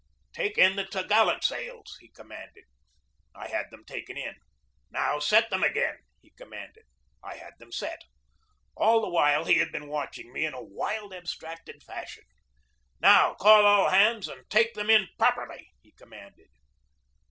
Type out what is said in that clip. "Take in the top gallant sails!" he commanded. I had them taken in. "Now, set them again!" he commanded. I had them set. All the while he had been watch ing me in a wild, abstracted fashion. "Now, call all hands and take them in properly!" he commanded.